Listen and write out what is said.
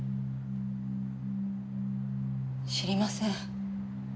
知りません。